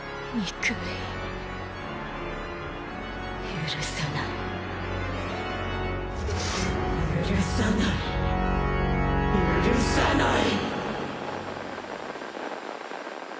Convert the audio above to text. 許さない許さない許さない！